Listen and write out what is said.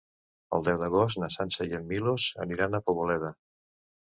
El deu d'agost na Sança i en Milos aniran a Poboleda.